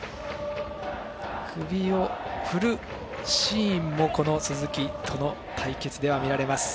首を振るシーンもこの鈴木との対決ではあります。